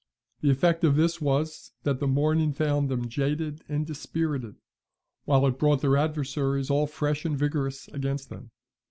The effect of this was, that the morning found them jaded and dispirited, while it brought their adversaries all fresh and vigorous against them.